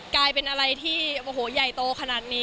กลายเป็นอะไรที่โอ้โหใหญ่โตขนาดนี้